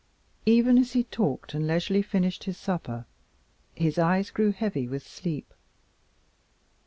Even as he talked and leisurely finished his supper, his eyes grew heavy with sleep.